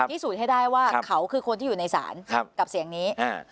พิสูจน์ให้ได้ว่าเขาคือคนที่อยู่ในศาลกับเสียงนี้